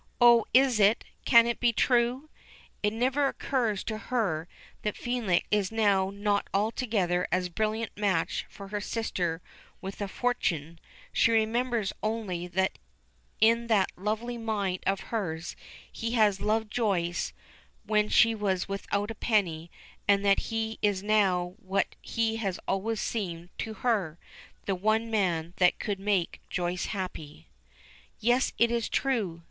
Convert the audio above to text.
"Oh, is it, can it be true?" It never occurs to her that Felix now is not altogether a brilliant match for a sister with a fortune she remembers only in that lovely mind of hers that he had loved Joyce when she was without a penny, and that he is now what he had always seemed to her, the one man that could make Joyce happy. "Yes; it is true!"